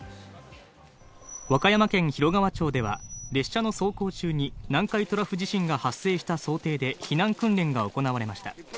和歌山県広川町では列車の走行中に南海トラフ地震が発生した想定で避難訓練が行われました。